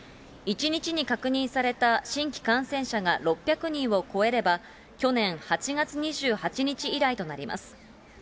１日に確認された新規感染者が６００人を超えれば、去年８月２８日以来となります。